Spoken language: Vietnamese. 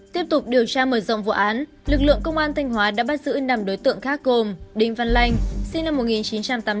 tiếp tục điều tra mở rộng vụ án lực lượng công an thành hóa đã bắt giữ nằm đối tượng khác gồm đinh văn lanh